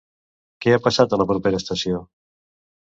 Què ha passat a la propera estació?